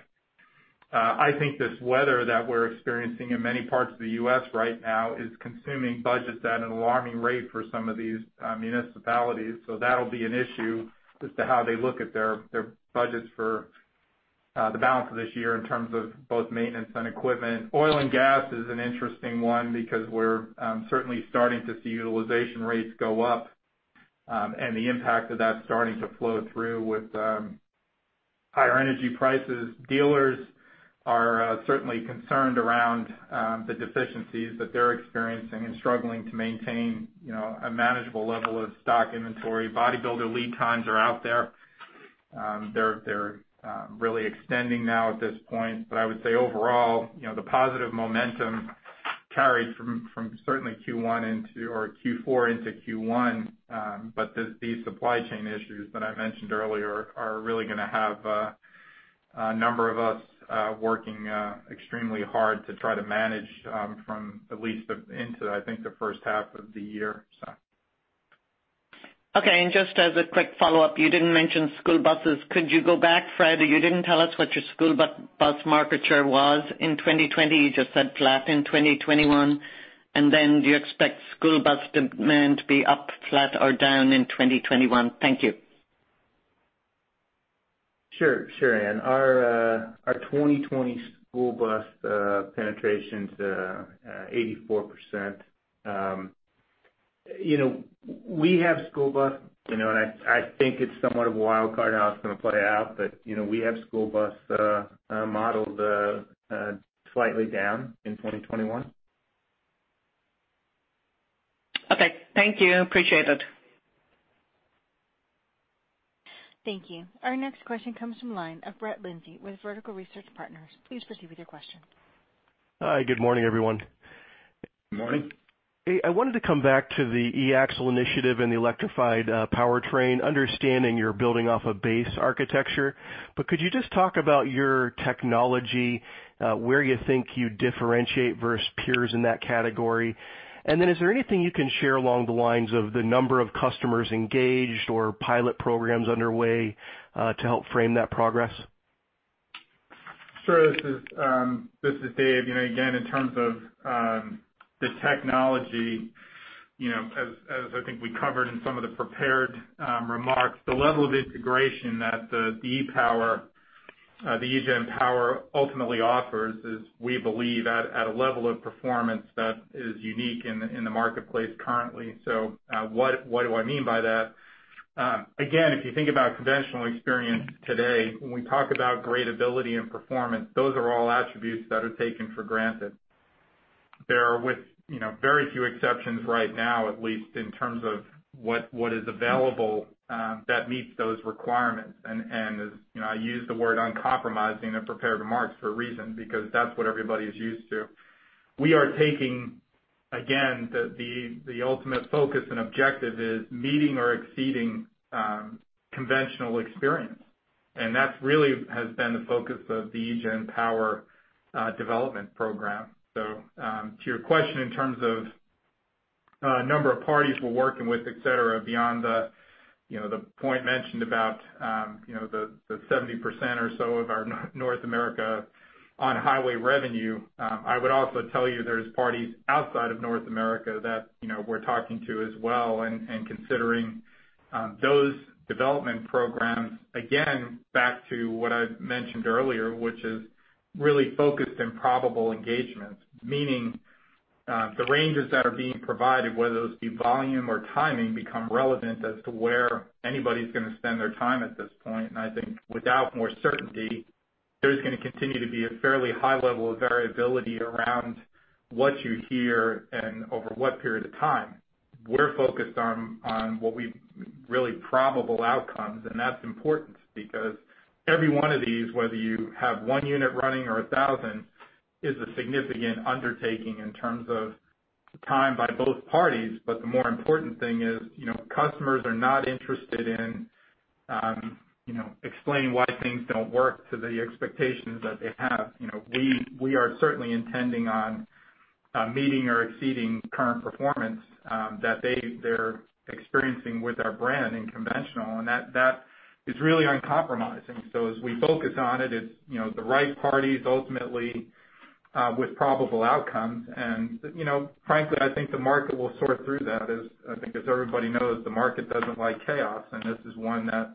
I think this weather that we're experiencing in many parts of the U.S. right now is consuming budgets at an alarming rate for some of these municipalities. So that'll be an issue as to how they look at their, their budgets for the balance of this year in terms of both maintenance and equipment. Oil and gas is an interesting one because we're certainly starting to see utilization rates go up, and the impact of that starting to flow through with higher energy prices. Dealers are certainly concerned around the deficiencies that they're experiencing and struggling to maintain, you know, a manageable level of stock inventory. Bodybuilder lead times are out there. They're, they're really extending now at this point. But I would say overall, you know, the positive momentum carried from, from certainly Q1 into-- or Q4 into Q1. But these supply chain issues that I mentioned earlier are really gonna have a number of us working extremely hard to try to manage from at least into, I think, the first half of the year, so. Okay, and just as a quick follow-up, you didn't mention school buses. Could you go back, Fred? You didn't tell us what your school bus market share was in 2020. You just said flat in 2021. And then do you expect school bus demand to be up, flat, or down in 2021? Thank you. Sure. Sure, Ann. Our 2020 school bus penetration's 84%. You know, we have school bus, you know, and I think it's somewhat of a wild card how it's gonna play out, but, you know, we have school bus modeled slightly down in 2021. Okay. Thank you. Appreciate it. Thank you. Our next question comes from line of Brett Linzey with Vertical Research Partners. Please proceed with your question. Hi, good morning, everyone. Morning. Hey, I wanted to come back to the e-axle initiative and the electrified powertrain, understanding you're building off a base architecture. But could you just talk about your technology, where you think you differentiate versus peers in that category? And then is there anything you can share along the lines of the number of customers engaged or pilot programs underway, to help frame that progress? Sure. This is Dave. You know, again, in terms of the technology, you know, as I think we covered in some of the prepared remarks, the level of integration that the eGen Power ultimately offers is, we believe, at a level of performance that is unique in the marketplace currently. So, what do I mean by that? Again, if you think about conventional experience today, when we talk about gradeability and performance, those are all attributes that are taken for granted. There are, with you know, very few exceptions right now, at least in terms of what is available that meets those requirements. And, you know, I use the word uncompromising in the prepared remarks for a reason, because that's what everybody is used to. We are taking, again, the ultimate focus and objective is meeting or exceeding conventional experience, and that really has been the focus of the eGen Power development program. So, to your question, in terms of number of parties we're working with, et cetera, beyond the, you know, the 70% or so of our North America on-highway revenue, I would also tell you there's parties outside of North America that, you know, we're talking to as well and considering those development programs, again, back to what I mentioned earlier, which is really focused in probable engagements. Meaning, the ranges that are being provided, whether those be volume or timing, become relevant as to where anybody's gonna spend their time at this point. I think without more certainty, there's gonna continue to be a fairly high level of variability around what you hear and over what period of time. We're focused on what we really probable outcomes, and that's important because every one of these, whether you have one unit running or 1,000, is a significant undertaking in terms of time by both parties. But the more important thing is, you know, customers are not interested, you know, explaining why things don't work to the expectations that they have. You know, we are certainly intending on meeting or exceeding current performance, that they're experiencing with our brand in conventional, and that is really uncompromising. So as we focus on it, it's, you know, the right parties ultimately with probable outcomes. You know, frankly, I think the market will sort through that. As I think, as everybody knows, the market doesn't like chaos, and this is one that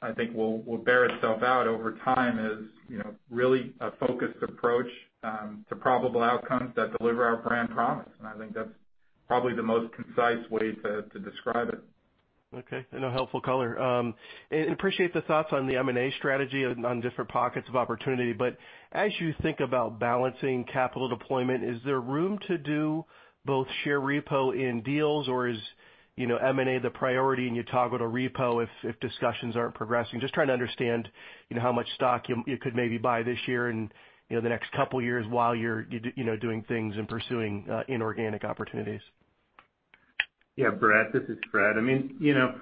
I think will bear itself out over time, as you know, really a focused approach to probable outcomes that deliver our brand promise. And I think that's probably the most concise way to describe it. Okay, and a helpful color. And appreciate the thoughts on the M&A strategy on different pockets of opportunity. But as you think about balancing capital deployment, is there room to do both share repo and deals, or is, you know, M&A the priority, and you toggle to repo if discussions aren't progressing? Just trying to understand, you know, how much stock you could maybe buy this year and, you know, the next couple years while you're doing things and pursuing inorganic opportunities. Yeah, Brett, this is Fred. I mean, you know,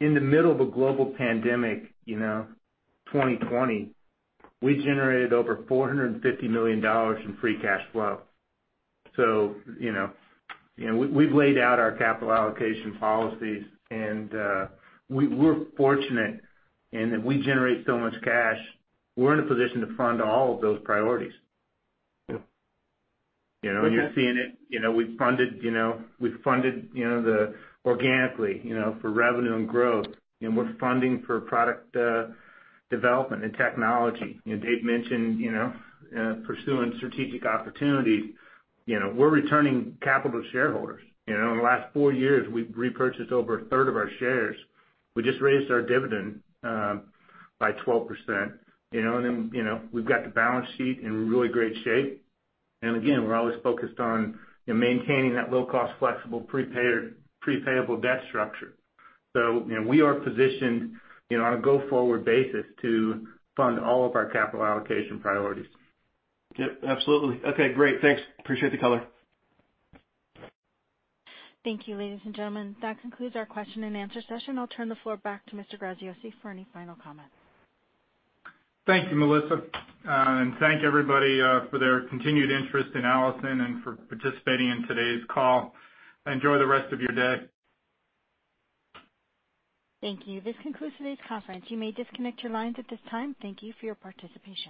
in the middle of a global pandemic, you know, 2020, we generated over $450 million in free cash flow. So, you know, we've laid out our capital allocation policies, and we're fortunate in that we generate so much cash, we're in a position to fund all of those priorities. You know, and you're seeing it, you know, we've funded, you know, we've funded, you know, the organically, you know, for revenue and growth, and we're funding for product development and technology. You know, Dave mentioned, you know, pursuing strategic opportunities. You know, we're returning capital to shareholders. You know, in the last four years, we've repurchased over a third of our shares. We just raised our dividend by 12%, you know, and then, you know, we've got the balance sheet in really great shape. And again, we're always focused on, you know, maintaining that low-cost, flexible, prepaid, prepayable debt structure. So, you know, we are positioned, you know, on a go-forward basis to fund all of our capital allocation priorities. Yep, absolutely. Okay, great. Thanks. Appreciate the color. Thank you, ladies and gentlemen, that concludes our question and answer session. I'll turn the floor back to Mr. Graziosi for any final comments. Thank you, Melissa, and thank everybody, for their continued interest in Allison and for participating in today's call. Enjoy the rest of your day. Thank you. This concludes today's conference. You may disconnect your lines at this time. Thank you for your participation.